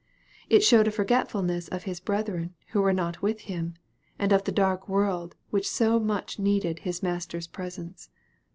It showed a forgetful ness of his brethen, who were not with him, and of the dark world which so much needed his Master's presence.